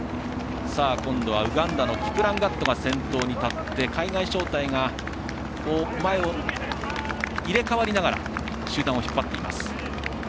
今度はウガンダのキプランガットが先頭に立って海外招待が前を入れ代わりながら集団を引っ張っています。